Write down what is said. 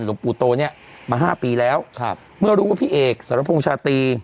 หลวงปู่โตเนี่ยมาห้าปีแล้วครับเมื่อรู้ว่าพี่เอกสรพงษ์ชาตรี